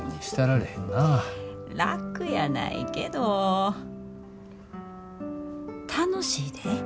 楽やないけど楽しいで。